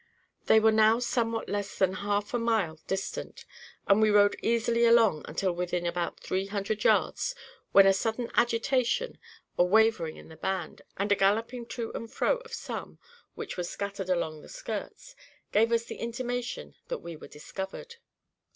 They were now somewhat less than half a mile distant, and we rode easily along until within about three hundred yards, when a sudden agitation, a wavering in the band, and a galloping to and fro of some which were scattered along the skirts, gave us the intimation that we were discovered.